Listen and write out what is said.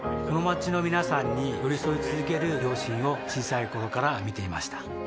この街の皆さんに寄り添い続ける両親を小さい頃から見ていました